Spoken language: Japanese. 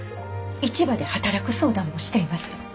市場で働く相談もしています。